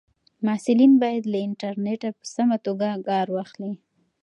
محصلین باید له انټرنیټه په سمه توګه کار واخلي.